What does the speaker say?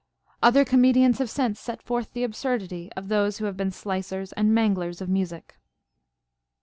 Other comedians have since set forth the absurdity of those who have been slicers and manglers of music.